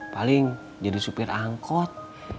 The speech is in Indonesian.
paling jadi supir angkot